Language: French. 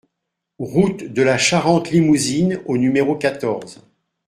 Route de la Charente Limousine au numéro quatorze